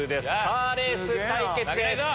カーレース対決です！